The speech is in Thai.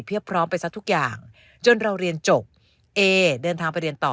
พร้อมไปซะทุกอย่างจนเราเรียนจบเอเดินทางไปเรียนต่อ